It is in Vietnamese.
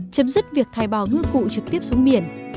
chấm dứt việc thải bỏ ngư cụ trực tiếp xuống biển